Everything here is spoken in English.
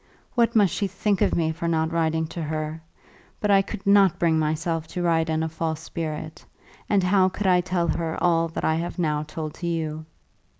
What must she think of me for not writing to her! But I could not bring myself to write in a false spirit; and how could I tell her all that I have now told to you?